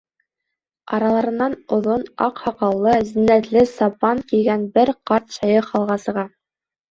Араларынан оҙон аҡ һаҡаллы, зиннәтле сапан кейгән бер ҡарт шәйех алға сыға.